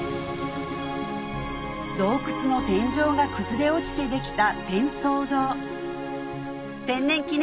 洞窟の天井が崩れ落ちてできた